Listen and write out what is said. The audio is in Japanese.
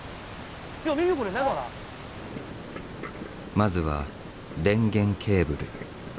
まずは電源ケーブル。